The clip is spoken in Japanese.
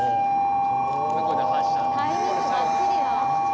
タイミングばっちりだ。